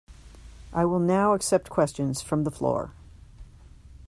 I will now accept questions from the floor.